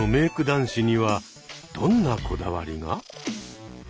男子にはどんなこだわりが？